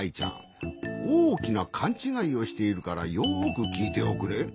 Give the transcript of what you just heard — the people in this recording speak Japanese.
おおきなかんちがいをしているからよくきいておくれ。